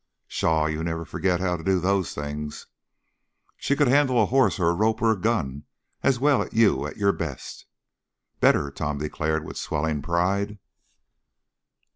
"Pshaw! You never forget how to do those things." "She could handle a horse or a rope or a gun as well as you at your best." "Better!" Tom declared, with swelling pride.